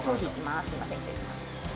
すみません失礼します